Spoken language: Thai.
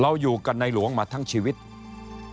เพราะฉะนั้นท่านก็ออกโรงมาว่าท่านมีแนวทางที่จะทำเรื่องนี้ยังไง